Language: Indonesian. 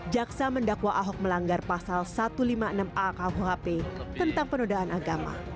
jaksa mendakwa ahok melanggar pasal satu ratus lima puluh enam a kuhp tentang penodaan agama